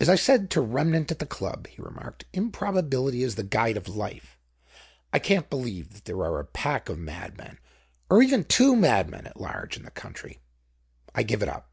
"As I said to Remnant at the Club," he remarked, "improbability is the guide of life. I can't believe that there are a pack of madmen or even two madmen at large in the country. I give it up."